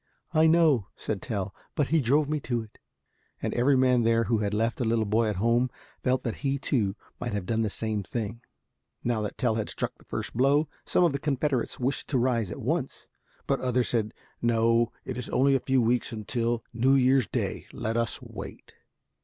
"I know," said Tell, "but he drove me to it." And every man there who had left a little boy at home felt that he too might have done the same thing. Now that Tell had struck the first blow, some of the Confederates wished to rise at once. But others said, "No, it is only a few weeks now until New Year's Day. Let us wait."